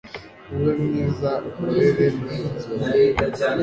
ube mwiza ukorere mugenzi wawe